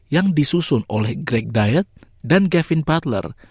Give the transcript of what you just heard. yang disusun oleh greg dyett dan gavin butler